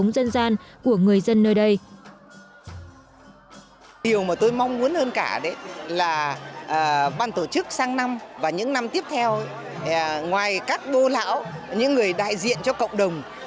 điều mà tôi mong muốn hơn cả là ban tổ chức sang năm và những năm tiếp theo ngoài các bô lão những người đại diện cho cộng đồng